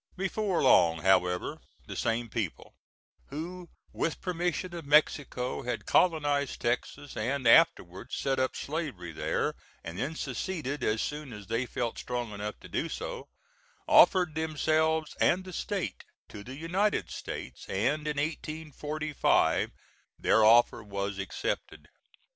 Before long, however, the same people who with permission of Mexico had colonized Texas, and afterwards set up slavery there, and then seceded as soon as they felt strong enough to do so offered themselves and the State to the United States, and in 1845 their offer was accepted.